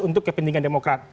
untuk kepentingan demokrat